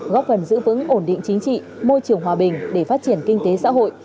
góp phần giữ vững ổn định chính trị môi trường hòa bình để phát triển kinh tế xã hội